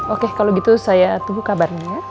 oke kalau gitu saya tunggu kabarnya